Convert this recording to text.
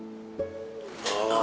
ああ。